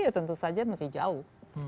ya tentu saja masih jauh